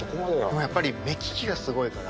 でもやっぱり目利きがすごいから。